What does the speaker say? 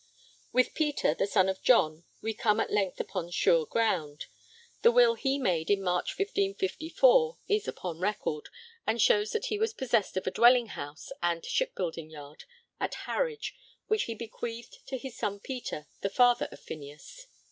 With Peter, the son of John, we come at length upon sure ground. The will he made in March 1554 is upon record, and shows that he was possessed of a dwelling house and shipbuilding yard at Harwich, which he bequeathed to his son Peter, the father of Phineas.